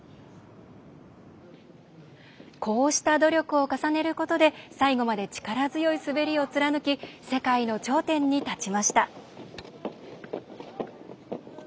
こうした努力を重ねることで最後まで力強い滑りを貫き世界の頂点に立ちました。